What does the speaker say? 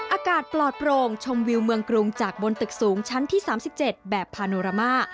อากาศปลอดโปร่งชมวิวเมืองกรุงจากบนตึกสูงชั้นที่๓๗แบบพาโนรามา